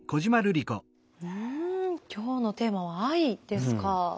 うん今日のテーマは藍ですか。